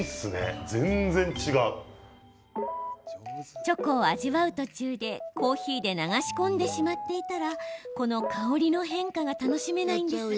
チョコを味わう途中でコーヒーで流し込んでしまっていたらこの香りの変化が楽しめないんです。